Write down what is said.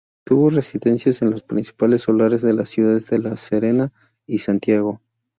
Tuvo residencias en los principales solares de las ciudades de La Serena y Santiago.